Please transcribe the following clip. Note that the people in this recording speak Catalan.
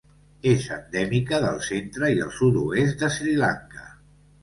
És endèmica del centre i el sud-oest de Sri Lanka.